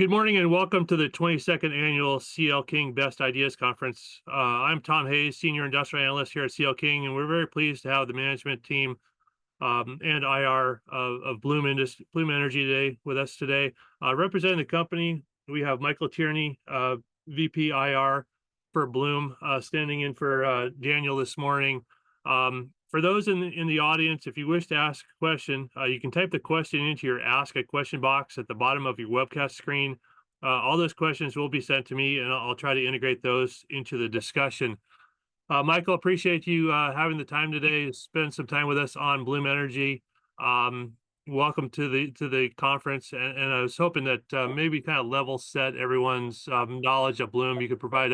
Good morning, and welcome to the 22nd Annual CL King Best Ideas Conference. I'm Tom Hayes, Senior Industrial Analyst here at CL King, and we're very pleased to have the management team and IR of Bloom Energy today, with us today. Representing the company, we have Michael Tierney, VP IR for Bloom, standing in for Daniel this morning. For those in the audience, if you wish to ask a question, you can type the question into your Ask a Question box at the bottom of your webcast screen. All those questions will be sent to me, and I'll try to integrate those into the discussion. Michael, appreciate you having the time today to spend some time with us on Bloom Energy. Welcome to the conference. I was hoping that maybe kind of level set everyone's knowledge of Bloom. You could provide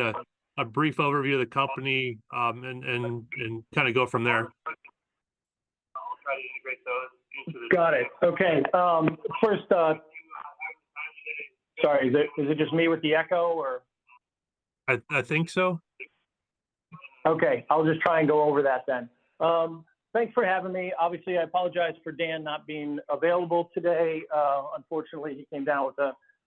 a brief overview of the company and kind of go from there. Got it. Okay. First, Sorry, is it, is it just me with the echo, or? I think so. Okay, I'll just try and go over that then. Thanks for having me. Obviously, I apologize for Dan not being available today. Unfortunately, he came down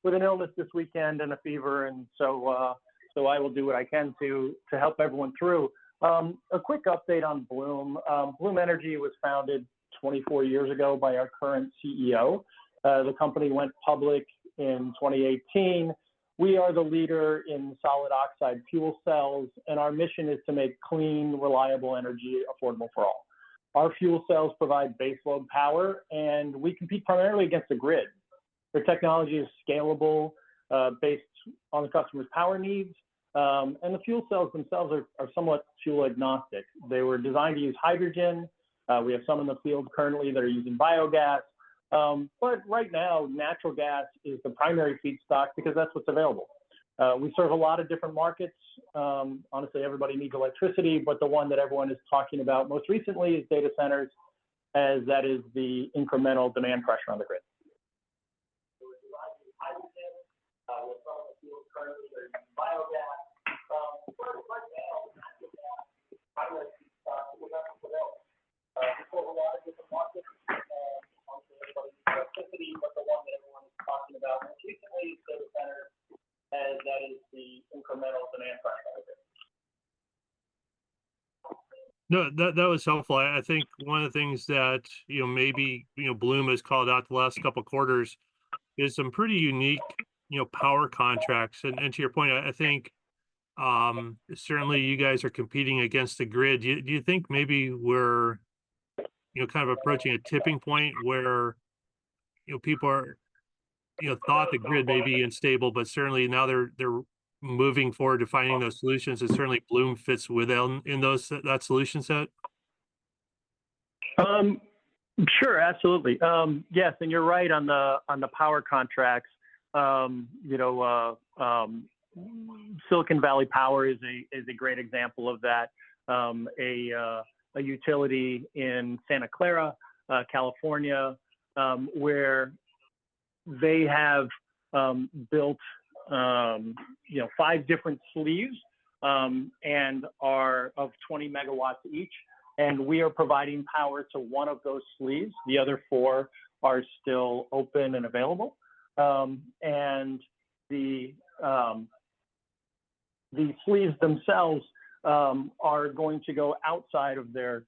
with an illness this weekend and a fever, and so, so I will do what I can to help everyone through. A quick update on Bloom. Bloom Energy was founded twenty-four years ago by our current CEO. The company went public in 2018. We are the leader in solid oxide fuel cells, and our mission is to make clean, reliable energy affordable for all. Our fuel cells provide baseload power, and we compete primarily against the grid. The technology is scalable, based on the customer's power needs, and the fuel cells themselves are somewhat fuel agnostic. They were designed to use hydrogen. They were designed to use hydrogen. We have some in the field currently that are using biogas. But right now, natural gas is the primary feedstock because that's what's available. We serve a lot of different markets. Honestly, everybody needs electricity, but the one that everyone is talking about most recently is data centers, as that is the incremental demand pressure on the grid. No, that was helpful. I think one of the things that, you know, maybe, you know, Bloom has called out the last couple quarters is some pretty unique, you know, power contracts. And to your point, I think certainly you guys are competing against the grid. Do you think maybe we're, you know, kind of approaching a tipping point where, you know, people are... You know, thought the grid may be unstable, but certainly now they're moving forward to finding those solutions, and certainly Bloom fits within that solution set? Sure. Absolutely. Yes, and you're right on the power contracts. You know, Silicon Valley Power is a great example of that. A utility in Santa Clara, California, where they have built, you know, five different sleeves and are 20 megawatts each, and we are providing power to one of those sleeves. The other four are still open and available. And the sleeves themselves are going to go outside of their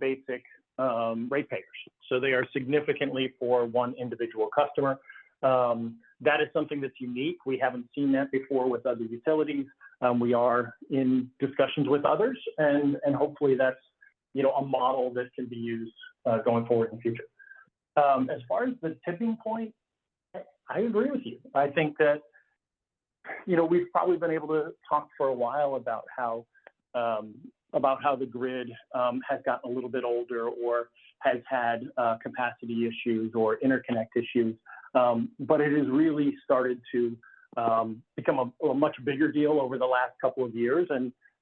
basic ratepayers. So they are significantly for one individual customer. That is something that's unique. We haven't seen that before with other utilities. We are in discussions with others, and hopefully that's a model that can be used going forward in the future. As far as the tipping point, I agree with you. I think that, you know, we've probably been able to talk for a while about how the grid has gotten a little bit older or has had capacity issues or interconnect issues, but it has really started to become a much bigger deal over the last couple of years,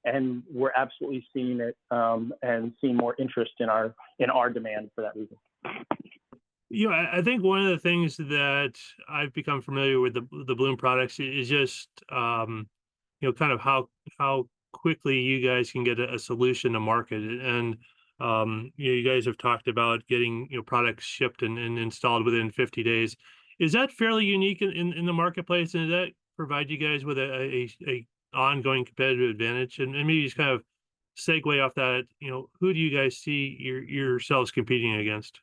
and we're absolutely seeing it and seeing more interest in our demand for that reason. You know, I think one of the things that I've become familiar with the Bloom products is just, you know, kind of how quickly you guys can get a solution to market. And, you know, you guys have talked about getting, you know, products shipped and installed within 50 days. Is that fairly unique in the marketplace, and does that provide you guys with a ongoing competitive advantage? And let me just kind of segue off that, you know, who do you guys see yourselves competing against?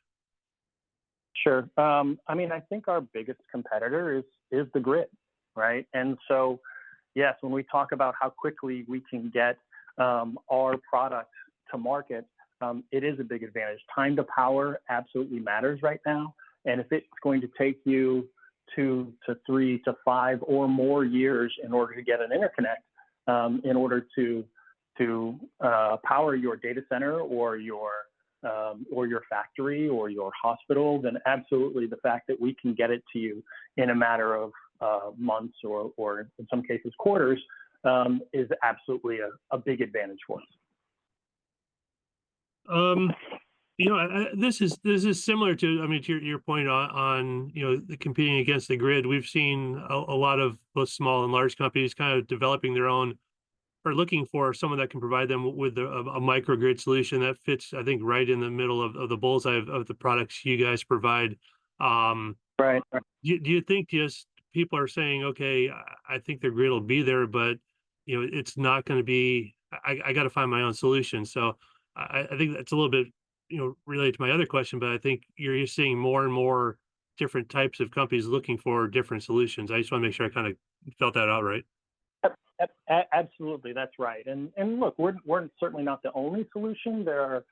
Sure. I mean, I think our biggest competitor is the grid, right? And so, yes, when we talk about how quickly we can get our product to market, it is a big advantage. Time to power absolutely matters right now, and if it's going to take you two to three to five or more years in order to get an interconnect in order to power your data center or your factory, or your hospital, then absolutely the fact that we can get it to you in a matter of months, or in some cases, quarters, is absolutely a big advantage for us. You know this is similar to, I mean, to your point on you know, competing against the grid. We've seen a lot of both small and large companies kind of developing their own are looking for someone that can provide them with a microgrid solution that fits, I think, right in the middle of the bull's eye of the products you guys provide. Right. Do you think just people are saying, "Okay, I think the grid will be there, but, you know, it's not gonna be. I gotta find my own solution?" So I think that's a little bit, you know, related to my other question, but I think you're seeing more and more different types of companies looking for different solutions. I just wanna make sure I kind of felt that out right. Absolutely, that's right. And look, we're certainly not the only solution. There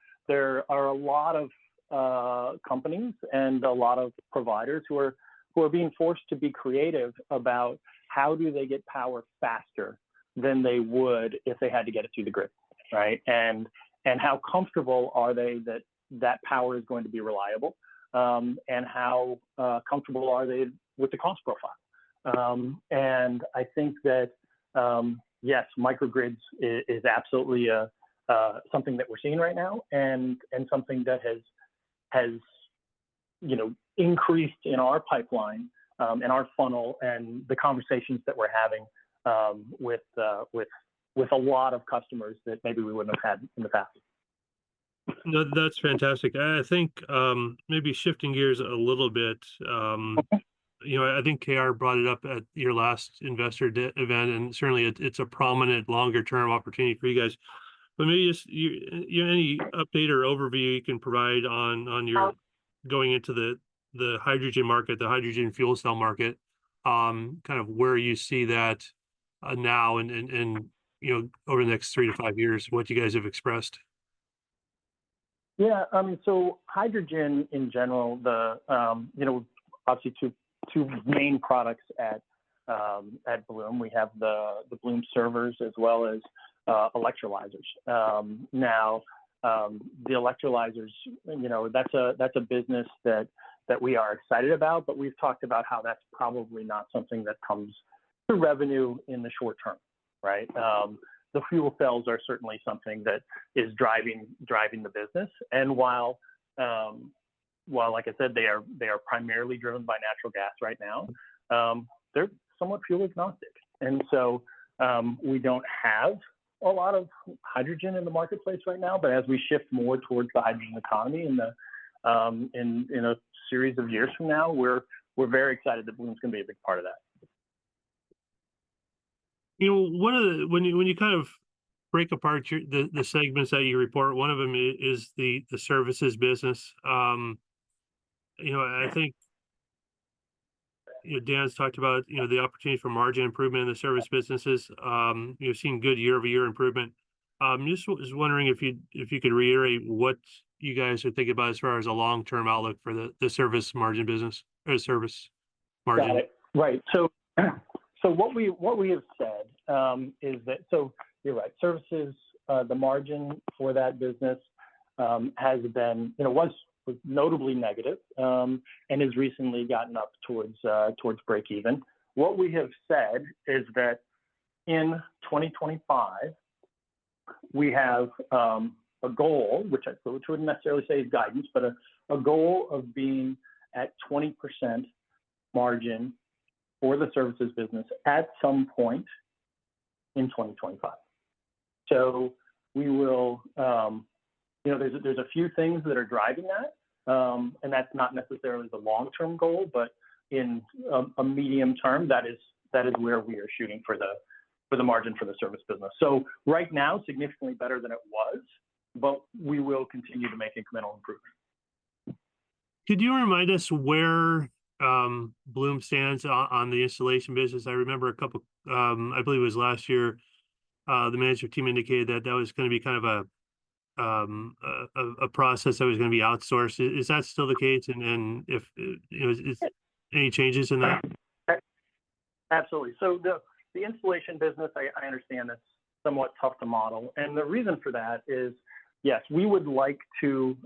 are a lot of companies and a lot of providers who are being forced to be creative about how do they get power faster than they would if they had to get it through the grid, right? And how comfortable are they that that power is going to be reliable, and how comfortable are they with the cost profile? And I think that yes, microgrids is absolutely something that we're seeing right now and something that has, you know, increased in our pipeline, in our funnel and the conversations that we're having with a lot of customers that maybe we wouldn't have had in the past. No, that's fantastic, and I think, maybe shifting gears a little bit, Okay You know, I think KR brought it up at your last investor day event, and certainly it's a prominent longer-term opportunity for you guys. But maybe just, you have any update or overview you can provide on your going into the hydrogen market, the hydrogen fuel cell market, kind of where you see that now and you know over the next three to five years, what you guys have expressed? Yeah, so hydrogen in general the you know obviously two main products at Bloom. We have the Bloom servers as well as electrolyzers. Now, the electrolyzers, you know, that's a business that we are excited about, but we've talked about how that's probably not something that comes to revenue in the short term, right? The fuel cells are certainly something that is driving the business, and while like I said they are primarily driven by natural gas right now, they're somewhat fuel agnostic. And so, we don't have a lot of hydrogen in the marketplace right now, but as we shift more towards the hydrogen economy in a series of years from now, we're very excited that Bloom's gonna be a big part of that. You know one of the segments that you report, one of them is the services business. You know I think Dan's talked about, you know, the opportunity for margin improvement in the service businesses. You've seen good year-over-year improvement. Just was wondering if you could reiterate what you guys are thinking about as far as a long-term outlook for the service margin business or service margin? Got it. Right. So what we have said is that. So you're right. Services the margin for that business has been you know was notably negative, and has recently gotten up towards breakeven. What we have said is that in twenty twenty-five we have a goal, which I probably wouldn't necessarily say is guidance, but a goal of being at 20% margin for the services business at some point in twenty twenty-five. So we will you know there's a few things that are driving that, and that's not necessarily the long-term goal, but in a medium term that is where we are shooting for the margin for the service business. So right now, significantly better than it was but we will continue to make incremental improvements. Could you remind us where Bloom stands on the installation business? I remember a couple, I believe it was last year the management team indicated that that was gonna be kind of a process that was gonna be outsourced. Is that still the case? And then, if you know is any changes in that? Absolutely. So the installation business, I understand that's somewhat tough to model, and the reason for that is yes, we would like to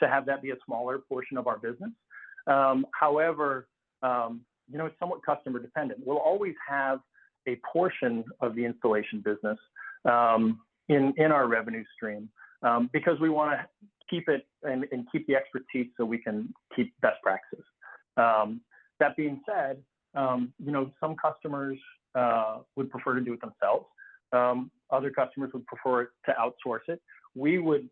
have that be a smaller portion of our business. However, you know it's somewhat customer dependent. We'll always have a portion of the installation business in our revenue stream because we wanna keep it and keep the expertise so we can keep best practices. That being said you know some customers would prefer to do it themselves. Other customers would prefer to outsource it. We would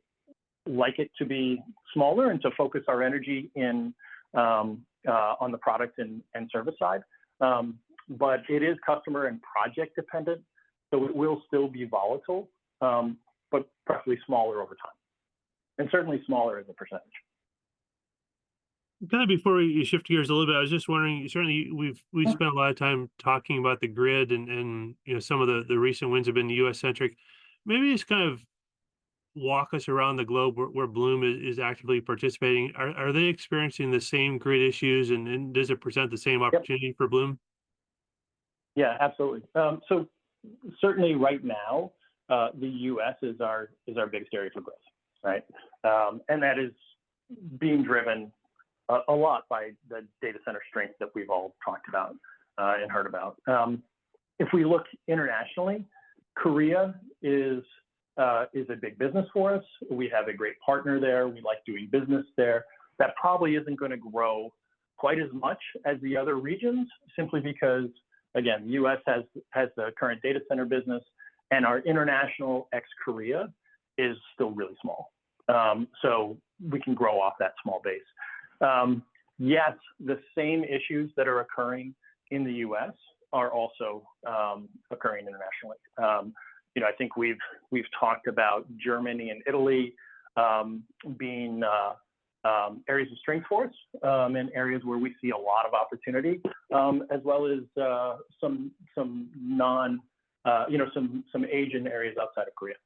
like it to be smaller and to focus our energy in on the product and service side. But it is customer and project dependent so it will still be volatile but probably smaller over time, and certainly smaller as a percentage. Kind of before we shift gears a little bit, I was just wondering certainly we've spent a lot of time talking about the grid and, you know, some of the recent wins have been US centric. Maybe just kind of walk us around the globe where Bloom is actively participating. Are they experiencing the same grid issues, and then does it present the same opportunity for Bloom? Yeah, absolutely. So certainly right now, the U.S. is our biggest area for growth, right? And that is being driven a lot by the data center strength that we've all talked about and heard about. If we look internationally, Korea is a big business for us. We have a great partner there. We like doing business there. That probably isn't gonna grow quite as much as the other regions simply because again the U.S. has the current data center business, and our international ex-Korea is still really small. So we can grow off that small base. Yet the same issues that are occurring in the U.S. are also occurring internationally. You know, I think we've talked about Germany and Italy being areas of strength for us and areas where we see a lot of opportunity, as well as you know some Asian areas outside of Korea.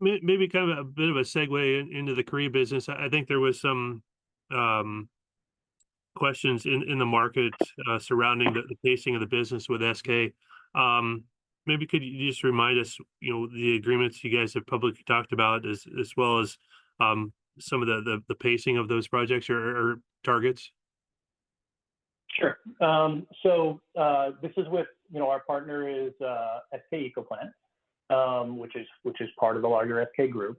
Maybe kind of a bit of a segue into the Korea business. I think there was some questions in the market surrounding the pacing of the business with SK. Maybe could you just remind us you know the agreements you guys have publicly talked about as well as some of the pacing of those projects or targets? Sure. So, this is with you know our partner is, SK Ecoplant, which is part of the larger SK Group.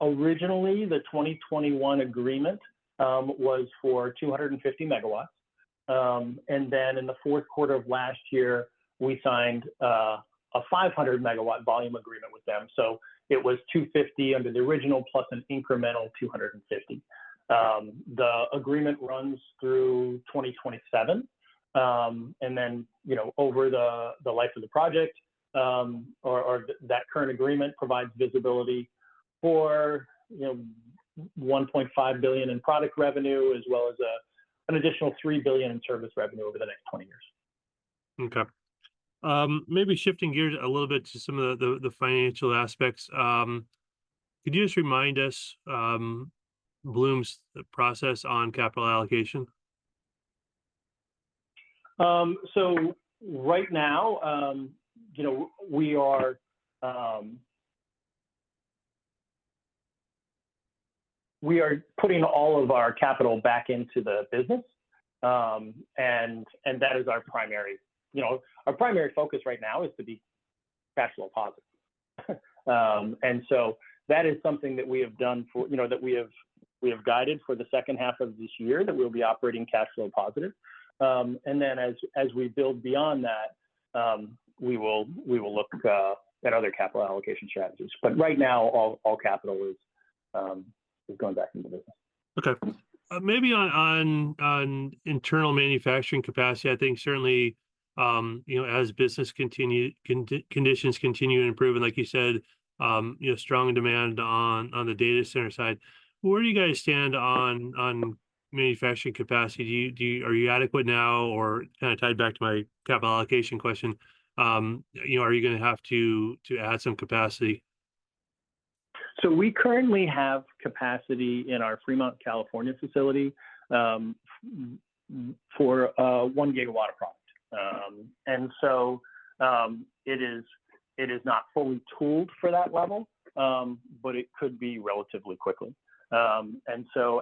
Originally, the 2021 agreement was for 250 megawatts. And then in the fourth quarter of last year, we signed a 500 megawatt volume agreement with them. So it was 250 under the original, plus an incremental 250. The agreement runs through 2027. And then, you know over the life of the project or that current agreement provides visibility for you know $1.5 billion in product revenue, as well as an additional $3 billion in service revenue over the next twenty years. Okay. Maybe shifting gears a little bit to some of the financial aspects could you just remind us Bloom's process on capital allocation? So right now you know we are putting all of our capital back into the business. And that is our primary focus right now to be cash flow positive. And so that is something that we have guided for the second half of this year, that we'll be operating cash flow positive. And then as we build beyond that we will look at other capital allocation strategies. But right now all capital is going back into the business. Okay. Maybe on internal manufacturing capacity. I think certainly you know as business conditions continue to improve, and like you said you know strong demand on the data center side, where do you guys stand on manufacturing capacity? Do you? Are you adequate now? Or kind of tied back to my capital allocation question you know, are you gonna have to add some capacity? So we currently have capacity in our Fremont, California, facility for one gigawatt of product. It is not fully tooled for that level, but it could be relatively quickly.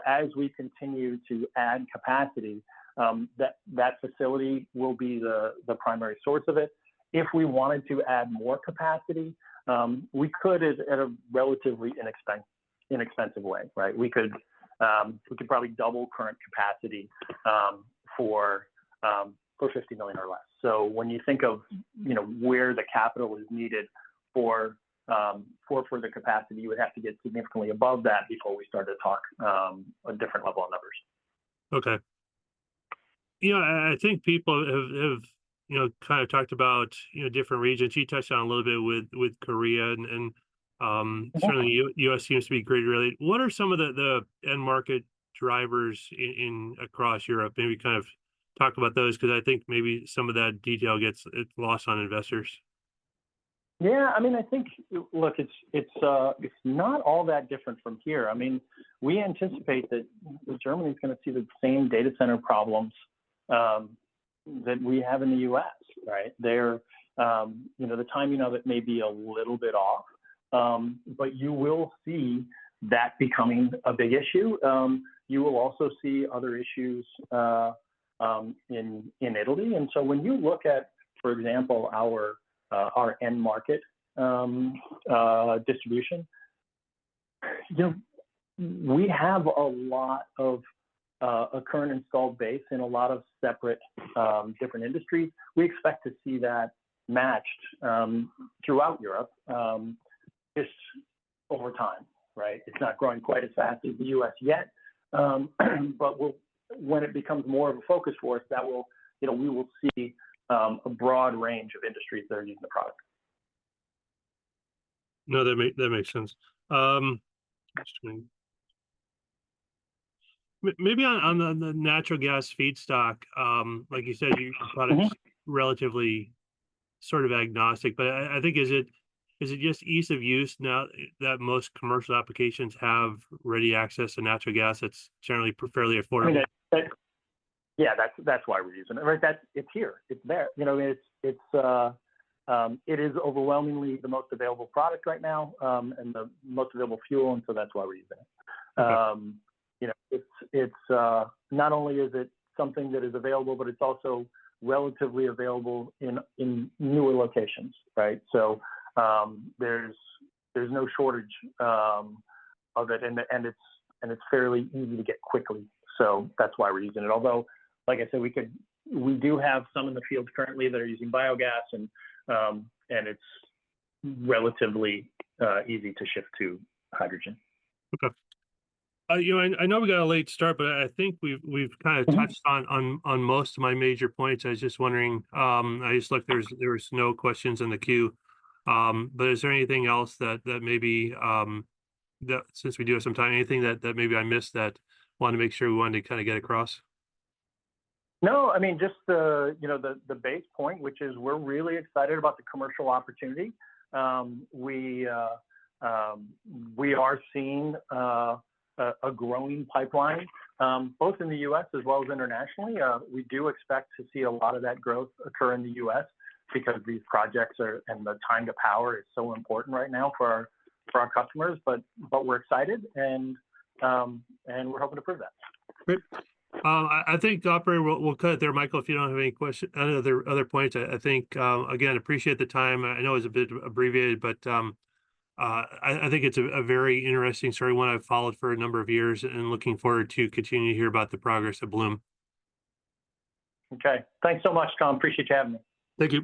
As we continue to add capacity, that facility will be the primary source of it. If we wanted to add more capacity, we could at a relatively inexpensive way, right? We could probably double current capacity for $50 million or less. So when you think of, you know, where the capital is needed for the capacity, you would have to get significantly above that before we start to talk a different level on numbers. Okay. You know, and I think people have you know kind of talked about you know different regions. You touched on it a little bit with Korea, and certainly U.S. seems to be great, really. What are some of the end-market drivers in across Europe? Maybe kind of talk about those cause I think maybe some of that detail gets lost on investors. Yeah, I mean, I think. Look, it's not all that different from here. I mean, we anticipate that Germany is gonna see the same data center problems that we have in the U.S., right? They're, you know the timing of it may be a little bit off, but you will see that becoming a big issue. You will also see other issues in Italy, and so when you look at, for example, our end market distribution, you know we have a lot of a current installed base in a lot of separate different industries. We expect to see that matched throughout Europe just over time, right? It's not growing quite as fast as the U.S. yet, but we'll When it becomes more of a focus for us, that will, you know, we will see a broad range of industries that are using the product. No, that makes sense. Actually, maybe on the natural gas feedstock, like you said your product is relatively sort of agnostic, but I think is it just ease of use now that most commercial applications have ready access to natural gas that's generally fairly affordable? I mean, yeah, that's, that's why we're using it, right? That's, It's here. It's there. You know, it's, it's, it is overwhelmingly the most available product right now, and the most available fuel, and so that's why we're using it. Okay. You know, not only is it something that is available, but it's also relatively available in newer locations, right? So, there's no shortage of it, and it's fairly easy to get quickly. So that's why we're using it. Although, like I said, we do have some in the fields currently that are using biogas, and it's relatively easy to shift to hydrogen. Okay. You know, I know we got a late start, but I think we've kind of touched on most of my major points. I was just wondering, I just looked there was no questions in the queue. But is there anything else that maybe, since we do have some time, anything that maybe I missed that you wanted to make sure we wanted to kind of get across? No. I mean, just the base point, you know, which is we're really excited about the commercial opportunity. We are seeing a growing pipeline both in the U.S. as well as internationally. We do expect to see a lot of that growth occur in the U.S. because these projects are, and the time to power is so important right now for our customers. But we're excited, and we're hoping to prove that. Great. I think, operator we'll cut it there, Michael, if you don't have any other points. I think again appreciate the time. I know it's a bit abbreviated, but I think it's a very interesting story, one I've followed for a number of years, and looking forward to continuing to hear about the progress at Bloom. Okay. Thanks so much, Tom. Appreciate you having me. Thank you.